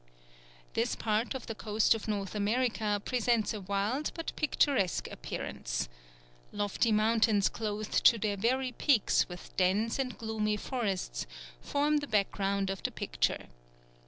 This part of the coast of North America presents a wild but picturesque appearance. Lofty mountains clothed to their very peaks with dense and gloomy forests form the background of the picture.